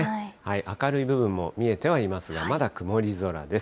明るい部分も見えてはいますが、まだ曇り空です。